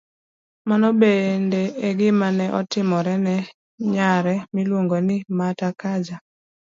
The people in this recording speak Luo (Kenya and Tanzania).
Mano bende e gima ne otimore ne nyare miluongo ni Mata Kaja,